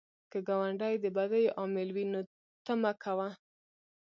که ګاونډی د بدیو عامل وي، ته مه کوه